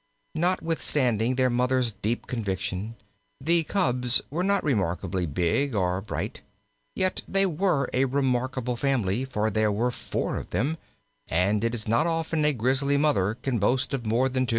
Notwithstanding their Mother's deep conviction, the cubs were not remarkably big or bright; yet they were a remarkable family, for there were four of them, and it is not often a Grizzly Mother can boast of more than two.